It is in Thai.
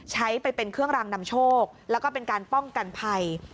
ใช้ไปเป็นเครื่องรางนำโชคแล้วก็เป็นการป้องกันภัย